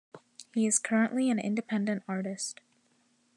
He is currently an independent artist.